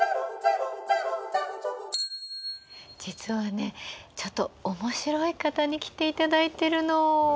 実はねちょっと面白い方に来ていただいてるの。